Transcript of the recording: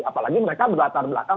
apalagi mereka belakang belakang